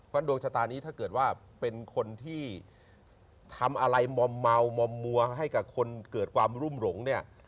เพราะดวงชะตานี้ถ้าเกิดว่าเป็นคนที่ทำอะไรมอมเมามอมมัวให้กับคนเกิดความรุ่มหลงเนี่ย